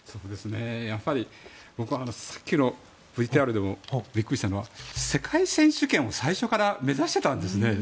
やっぱり僕はさっきのＶＴＲでビックリしたのは世界選手権を最初から目指していたんですね。